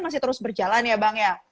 masih terus berjalan ya bang ya